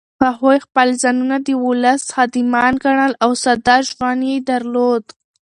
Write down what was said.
هغوی خپل ځانونه د ولس خادمان ګڼل او ساده ژوند یې درلود.